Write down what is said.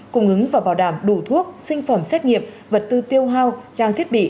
cung ứng và bảo đảm đủ thuốc sinh phẩm xét nghiệm vật tư tiêu hao trang thiết bị